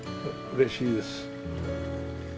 うれしいです。